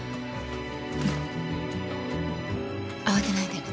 慌てないで。